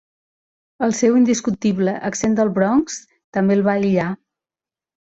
El seu indiscutible accent del Bronx també el va aïllar.